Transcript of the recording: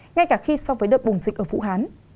ngay cả khi so với đợt bùng dịch ở vũ hán